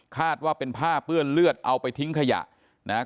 คาดว่าเป็นผ้าเปื้อนเลือดเอาไปทิ้งขยะนะครับ